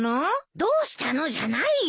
どうしたのじゃないよ。